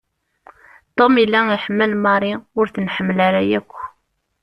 Tom yella iḥemmel Marie ur t-nḥemmel ara yakk.